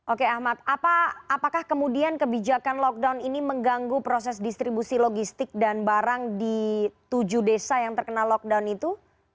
oke ahmad apakah kemudian kebijakan lockdown ini mengganggu proses distribusi logistik dan barang di tujuh desa yang terkena lockdown itu